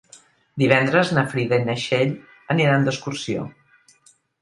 Divendres na Frida i na Txell aniran d'excursió.